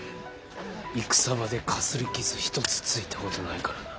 戦場でかすり傷一つついたことないからな。